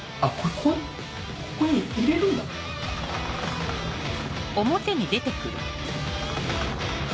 ここに入れるんだ？ねぇ